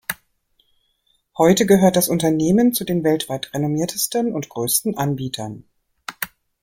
Heute gehört das Unternehmen zu den weltweit renommiertesten und größten Anbietern.